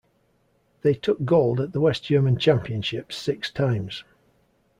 They took gold at the West German Championships six times.